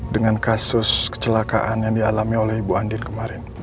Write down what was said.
dengan kasus kecelakaan yang dialami oleh ibu andir kemarin